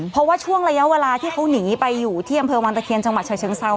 เพราะว่าช่วงระยะเวลาที่เขาหนีไปอยู่ที่อำเภอวังตะเคียนจังหวัดชายเชิงเซา